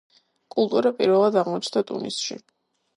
კულტურა პირველად აღმოჩნდა ტუნისში.